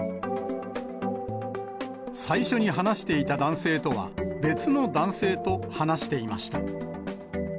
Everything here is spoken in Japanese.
最初に話していた男性とは別の男性と話していました。